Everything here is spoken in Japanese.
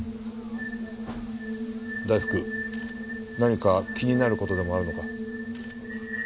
大福何か気になる事でもあるのか？